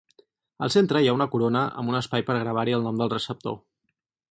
Al centre hi ha una corona amb un espai per gravar-hi el nom del receptor.